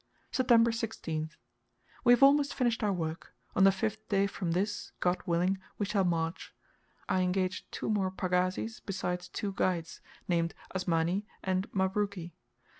September 16th. We have almost finished our work on the fifth day from this God willing we shall march. I engaged two more pagazis besides two guides, named Asmani and Mabruki.